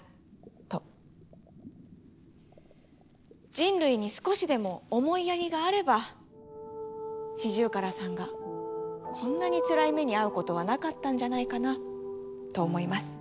人類に少しでも思いやりがあればシジュウカラさんがこんなにつらい目に遭うことはなかったんじゃないかなと思います。